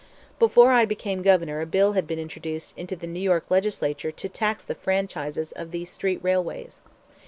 Before I became Governor a bill had been introduced into the New York Legislature to tax the franchises of these street railways.